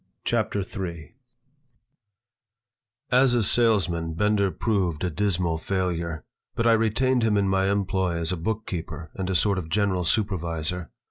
CHAPTER III AS a salesman Bender proved a dismal failure, but I retained him in my employ as a bookkeeper and a sort of general supervisor.